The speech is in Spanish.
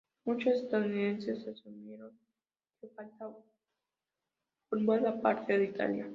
Muchos estadounidenses asumieron que Malta formaba parte de Italia.